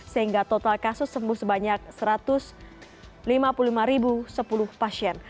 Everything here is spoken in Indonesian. sehingga total kasus sembuh sebanyak satu ratus lima puluh lima sepuluh pasien